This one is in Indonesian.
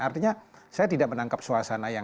artinya saya tidak menangkap suasana yang